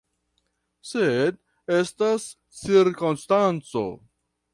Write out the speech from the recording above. Sed estas cirkonstanco.